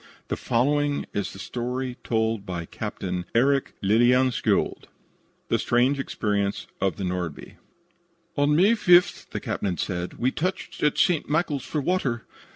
The following is the story told by Captain Eric Lillien skjold: THE STRANGE EXPERIENCE OF THE "NORDBY" "On May 5th," the captain said, "we touched at St. Michael's for water.